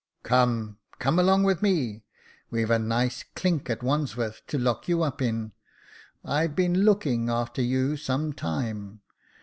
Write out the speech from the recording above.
" Come — come along with me ; we've a nice clink at Wandsworth to lock you up in. I've been looking a'ter you some time.